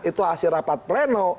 itu hasil rapat pleno